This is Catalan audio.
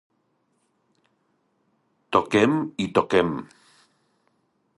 Toquem i toquem.